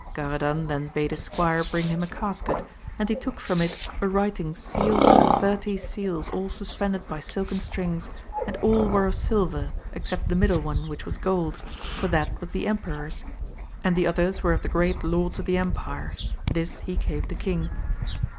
Garadan then bade a squire bring him a casket, and he took from it a writing sealed with thirty seals all suspended by silken strings, and all were of silver except the middle one which was gold, for that was the emperor's, and the others were of the great lords of the empire ; this he gave the king.